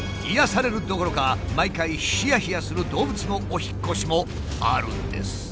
癒やされるどころか毎回ヒヤヒヤする動物のお引っ越しもあるんです。